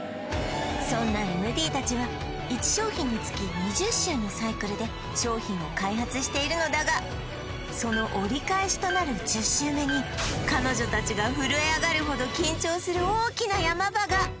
そんなＭＤたちは１商品につき２０週のサイクルで商品を開発しているのだがその折り返しとなる１０週目に彼女たちが震え上がるほど緊張する大きな山場が！